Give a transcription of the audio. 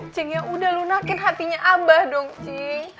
cik ya udah lo nakikin hatinya abah dong cik